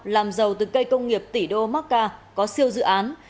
làm giàu từ cây công nghiệp tỷ đô macca có siêu dự án